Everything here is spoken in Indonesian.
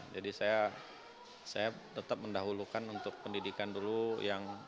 jadi saya tetap mendahulukan untuk pendidikan dulu yang